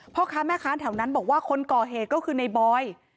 พ่อค้าแม่ค้าแถวนั้นบอกว่าคนก่อเหตุก็คือในบอย